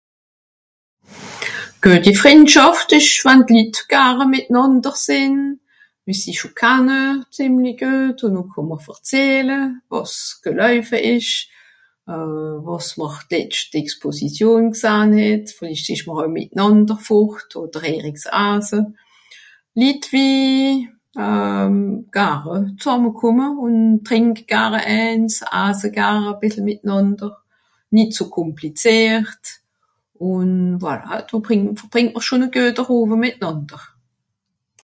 gueti Frìndschàft esch wann d'Lit garn mìtnànder sìn vu sie schon kanne zìmmli guet ùn no kànnm'r verzähle wàs geläufe esch euh wàsm'r d'letscht exposition gsahn het vìllicht ... euj mìtnànder fòrt oder (eijr) ebs asse Lit wie euh garn hàn zùmmekòmme trìnk gar eins asse gar a bìssel mìtnànder nìt so komplìziert ùn voila do brìng verbrìngtm'r schon a gueter òve mìtnànder